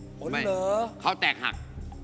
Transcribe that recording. ผลเหรอเขาแตกหัก